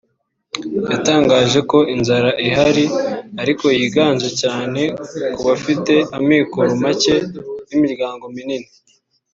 yatangaje ko inzara ihari ariko yiganje cyane ku bafite amikoro make n’imiryango minini